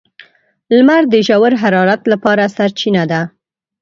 • لمر د ژور حرارت لپاره سرچینه ده.